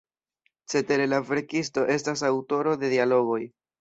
Cetere la verkisto estas aŭtoro de dialogoj.